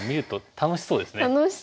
楽しそうですね。